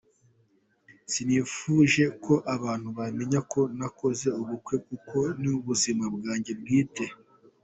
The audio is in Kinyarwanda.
Sinifuje ko abantu bamenya ko nakoze ubukwe kuko ni ubuzima bwanjye bwite.